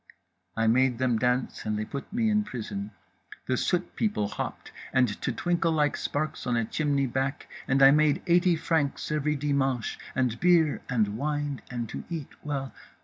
"I made them dance and they put me in prison. The soot people hopped; and to twinkle like sparks on a chimney back and I made eighty francs every dimanche, and beer and wine, and to eat well.